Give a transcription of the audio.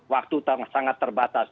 waktu sangat terbatas